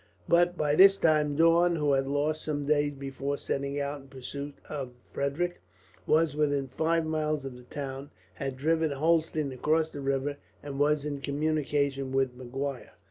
But by this time Daun, who had lost some days before setting out in pursuit of Frederick, was within five miles of the town, had driven Holstein across the river, and was in communication with Maguire.